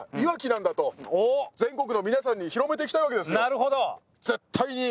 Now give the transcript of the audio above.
なるほど。